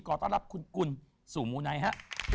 ขอต้อนรับคุณกุลสู่มูไนท์ฮะ